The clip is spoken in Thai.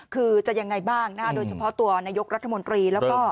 คือจะยังไงบ้างนะคะโดยเฉพาะตัวนายกรัฐมนตรีแล้วก็